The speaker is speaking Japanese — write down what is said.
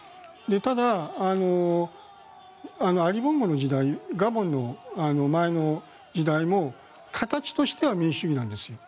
ただ、アリ・ボンゴの時代ガボンの前の時代も形としては民主主義なんですよ。